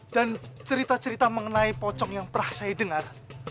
dan cerita cerita mengenai pocong yang pernah saya dengar